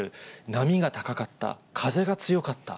波が高かった、風が強かった。